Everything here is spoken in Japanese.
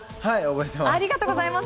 ありがとうございます。